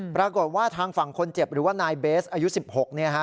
ปรากฏว่าทางฝั่งคนเจ็บหรือว่านายเบสอายุ๑๖